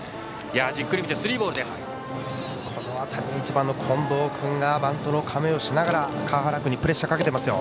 １番の近藤君がバントの構えをしながら川原君にプレッシャーをかけていますよ。